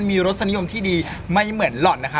มีรสนิยมที่ดีไม่เหมือนหล่อนนะคะ